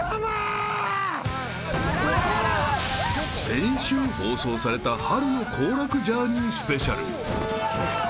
［先週放送された『春の行楽ジャーニーＳＰ』］